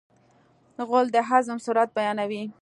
غول د هضم سرعت بیانوي.